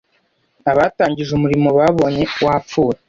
abatangije umurimo babonye wapfuye